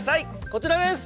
こちらです！